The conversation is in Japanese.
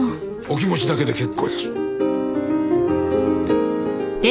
お気持ちだけで結構です。